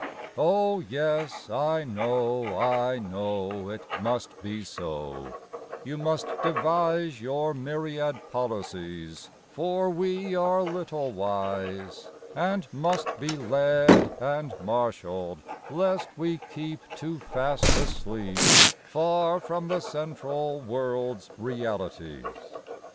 Oh yes—I know, I know, It must be so— You must devise Your myriad policies, For we are little wise, And must be led and marshalled, lest we keep Too fast a sleep Far from the central world's realities.